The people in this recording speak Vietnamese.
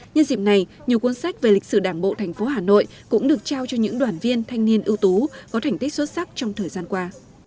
nhân dịp này nhiều cuốn sách về lịch sử đảng bộ thành phố hà nội cũng được trao cho những đoàn viên thanh niên ưu tú có thành tích xuất sắc trong thời gian qua